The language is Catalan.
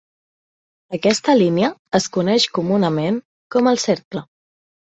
Aquesta línia, es coneix comunament com el cercle.